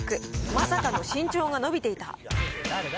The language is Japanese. まさかの身長が伸びていた。